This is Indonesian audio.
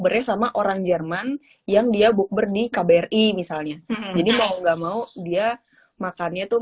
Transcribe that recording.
bersama orang jerman yang dia book berdikabri misalnya jadi mau nggak mau dia makannya tuh